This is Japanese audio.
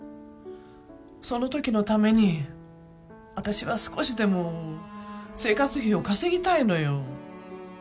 そのときのために私は少しでも生活費を稼ぎたいのよ。